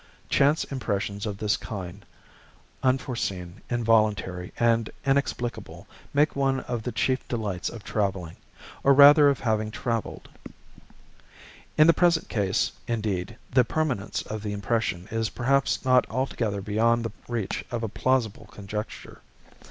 Chance impressions of this kind, unforeseen, involuntary, and inexplicable, make one of the chief delights of traveling, or rather of having traveled. In the present case, indeed, the permanence of the impression is perhaps not altogether beyond the reach of a plausible conjecture.